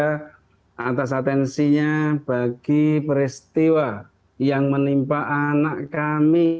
atas atensinya bagi peristiwa yang menimpa anak kami